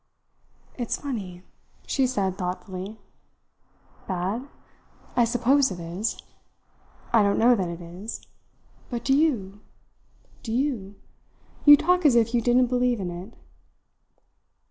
"It's funny," she said thoughtfully. "Bad? I suppose it is. I don't know that it is. But do you? Do you? You talk as if you didn't believe in it."